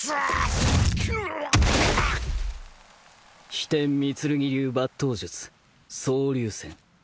飛天御剣流抜刀術双龍閃。